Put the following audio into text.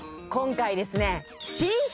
今回ですね